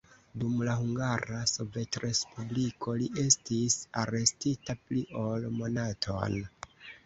Dum la Hungara Sovetrespubliko li estis arestita pli ol monaton.